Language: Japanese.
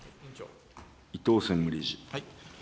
伊藤専務理事。